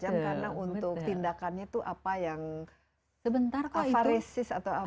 karena untuk tindakannya tuh apa yang aparesis atau apa